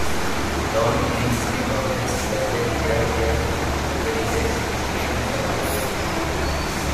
Dawn leaks کے معاملے سے پہلے کیا کیا تقریریں نہیں فرماتے تھے۔